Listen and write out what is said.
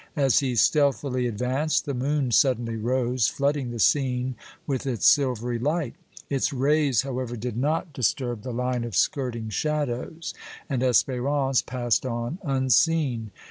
As he stealthily advanced, the moon suddenly rose, flooding the scene with its silvery light. Its rays, however, did not disturb the line of skirting shadows, and Espérance passed on unseen.